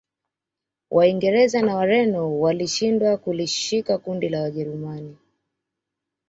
Waingereza na Wareno walishindwa kulishika kundi la Kijerumani